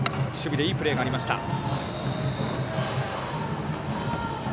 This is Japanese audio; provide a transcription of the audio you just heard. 守備でいいプレーがありました。